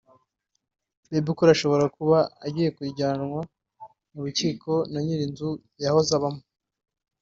Bebe Cool ashobora kuba agiye kujyanwa mu rukiko na ny’iri nzu yahoze abamo